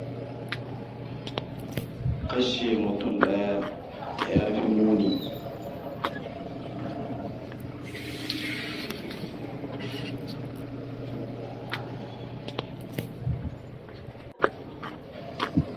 Mun zo tare domin samar dea wata ƙungiya.